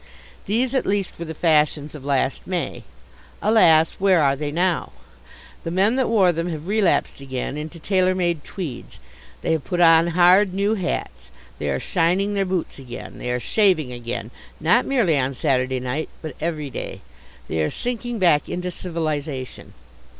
These at least were the fashions of last May. Alas, where are they now? The men that wore them have relapsed again into tailor made tweeds. They have put on hard new hats. They are shining their boots again. They are shaving again, not merely on Saturday night, but every day. They are sinking back into civilization.